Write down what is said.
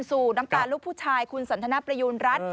น้ำตาลูกผู้ชายคุณสันทนประยูณรัฐ